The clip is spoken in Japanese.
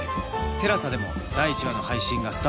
ＴＥＬＡＳＡ でも第１話の配信がスタート